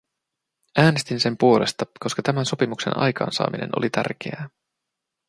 Äänestin sen puolesta, koska tämän sopimuksen aikaansaaminen oli tärkeää.